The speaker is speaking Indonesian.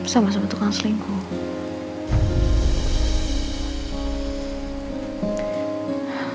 sama sama tukang selingkuh